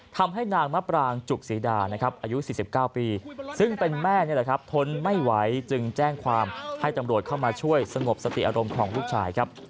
ทำให้นางมะปรางจุกศรีดานะครับอายุ๔๙ปีซึ่งเป็นแม่นี่แหละครับทนไม่ไหวจึงแจ้งความให้ตำรวจเข้ามาช่วยสงบสติอารมณ์ของลูกชายครับ